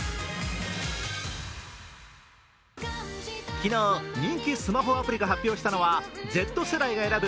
昨日、人気スマホアプリが発表したのはＺ世代が選ぶ！！